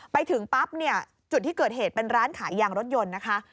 ไปถึงปั๊บเนี่ยจุดที่เกิดเหตุเป็นร้านขายยางรถยนต์นะคะ